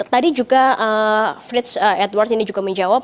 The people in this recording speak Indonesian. tadi juga frits edward ini juga menjawab